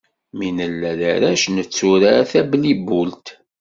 Mi nella d arrac, netturar tablibult.